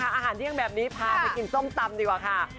อาหารเที่ยงแบบนี้พาไปกินส้มตำดีกว่าค่ะ